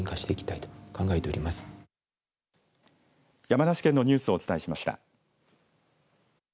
山梨県のニュースをお伝えしました。